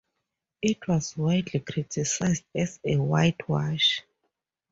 It was widely criticised as a whitewash.